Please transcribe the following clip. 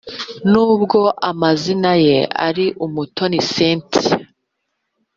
Nubwo amazina ye ari Umutoni Cynthia